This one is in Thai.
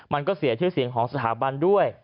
มันก็เสียชื่อเสียงของสถาบันด้วย